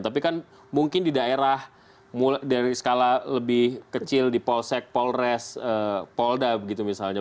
tapi kan mungkin di daerah dari skala lebih kecil di polsek polres polda gitu misalnya